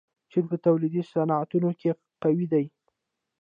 چین په تولیدي صنعتونو کې قوي دی.